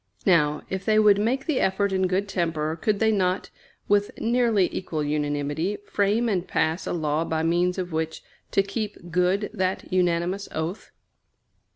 Now, if they would make the effort in good temper, could they not, with nearly equal unanimity, frame and pass a law by means of which to keep good that unanimous oath?